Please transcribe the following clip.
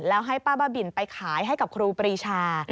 แล้วให้ป้าบ้าบินไปขายให้กับครูปรีชา